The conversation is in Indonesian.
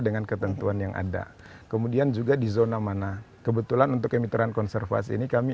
dengan pelanggaran pelanggaran apabila ada di yang dilakukan oleh kelompok tidak sesuai dengan